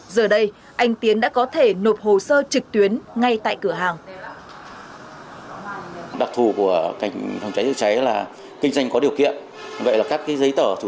giờ đây anh tiến đã có thể nộp hồ sơ trực tuyến ngay tại cửa hàng